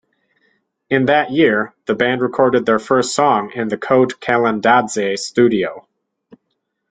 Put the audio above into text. In that year, the band recorded their first song in the kote kalandadze studio.